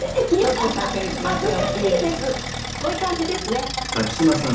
こういう感じですね。